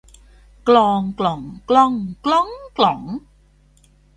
กลอง กล่อง กล้อง กล๊อง กล๋อง